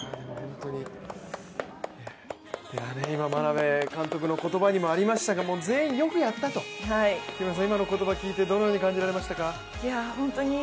眞鍋監督の言葉にもありましたが、全員よくやったと、今の言葉聞いてどのように感じられましたか。